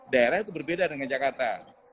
daerah itu berbeda dengan jakarta